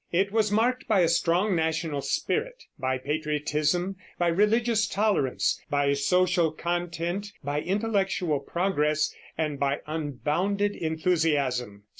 It was marked by a strong national spirit, by patriotism, by religious tolerance, by social content, by intellectual progress, and by unbounded enthusiasm.